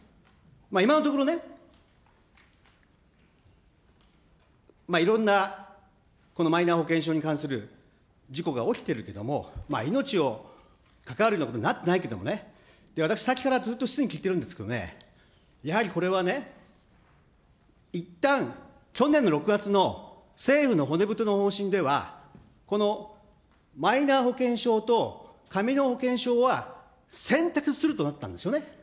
今のところ、いろんなマイナ保険証に関する事故が起きてるけども、命を、関わるようなことになってないけどもね、私さっきからずっと質疑聞いてるんですけどね、やはりこれはね、いったん、去年の６月の政府の骨太の方針では、このマイナ保険証と紙の保険証は、選択するとなったんですよね。